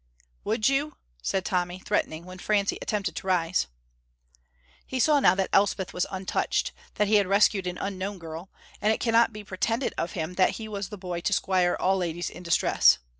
"Would you!" said Tommy, threatening, when Francie attempted to rise. He saw now that Elspeth was untouched, that he had rescued an unknown girl, and it cannot be pretended of him that he was the boy to squire all ladies in distress.